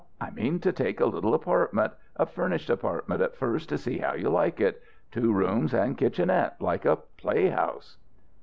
I mean to take a little apartment, a furnished apartment at first to see how you like it two rooms and kitchenette, like a play house."